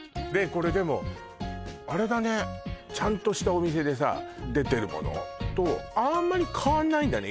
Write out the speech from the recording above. これでもあれだねちゃんとしたお店でさ出てるものとあんまり変わんないんだね